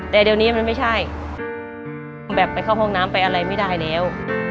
แต่เดี๋ยวนี้มันไม่ใช่แบบไปเข้าห้องน้ำไปอะไรไม่ได้แล้ว